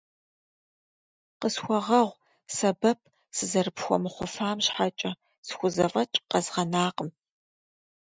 Къысхуэгъэгъу сэбэп сызэрыпхуэмыхъуфам щхьэкӏэ, схузэфӏэкӏ къэзгъэнакъым.